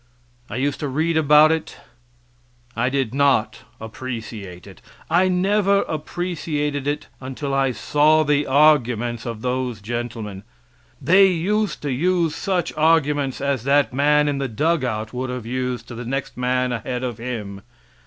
I used to read about it I did not appreciate it. I never appreciated it until I saw the arguments of those gentlemen. They used to use just such arguments as that man in the dug out would have used to the next man ahead of him.